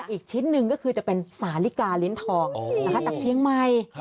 อีกชิ้นหนึ่งก็คือจะเป็นสาลิกาลิ้นทองจากเชียงใหม่